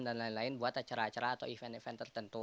dan lain lain buat acara acara atau event event tertentu